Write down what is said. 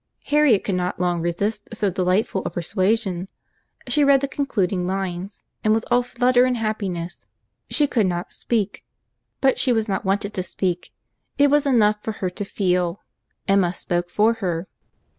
Harriet could not long resist so delightful a persuasion. She read the concluding lines, and was all flutter and happiness. She could not speak. But she was not wanted to speak. It was enough for her to feel. Emma spoke for her.